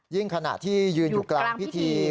ขณะที่ยืนอยู่กลางพิธี